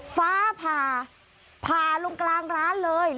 ฟ้าผ่าผ่าลงกลางร้านเลย